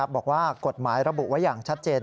บอกว่ากฎหมายระบุไว้อย่างชัดเจน